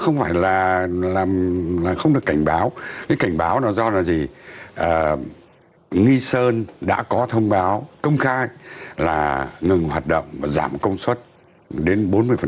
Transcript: nghi sơn đã có thông báo công khai là ngừng hoạt động và giảm công suất đến bốn mươi